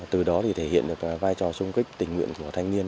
từ đó thì thể hiện được vai trò sung kích tình nguyện của thanh niên